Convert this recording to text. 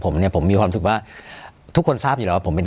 ผมเนี่ยผมมีความรู้สึกว่าทุกคนทราบอยู่แล้วว่าผมเป็น